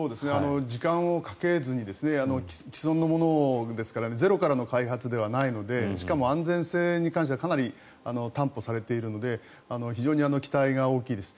時間をかけずに既存のものですからゼロからの開発ではないのでしかも安全性に関してはかなり担保されているので非常に期待が大きいです。